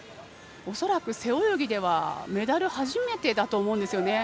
恐らく背泳ぎではメダル初めてだと思うんですよね。